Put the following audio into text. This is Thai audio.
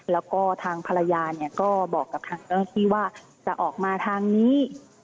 แล้วก็ทางภรรยาเนี่ยก็บอกกับทางเจ้าหน้าที่ว่าจะออกมาทางนี้